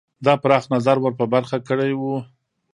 دا پراخ نظر ور په برخه کړی وو.